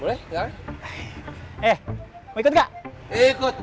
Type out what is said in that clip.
eh mau ikut gak